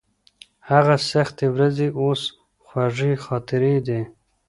هغه سختې ورځې اوس خوږې خاطرې دي.